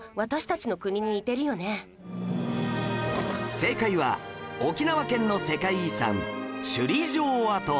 正解は沖縄県の世界遺産首里城跡